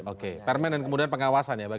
oke permen dan kemudian pengawasan ya